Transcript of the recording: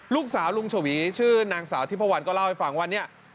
ลูกสาวลุงเฉวีชื่อนางสาวทิพวันก็เล่าให้ฟังวันนี้